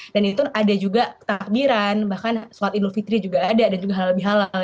dan itu ada juga takbiran bahkan solat idul fitri juga ada dan juga halal bihalal